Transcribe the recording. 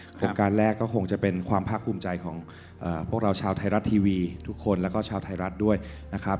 โครงการแรกก็คงจะเป็นความภาคภูมิใจของพวกเราชาวไทยรัฐทีวีทุกคนแล้วก็ชาวไทยรัฐด้วยนะครับ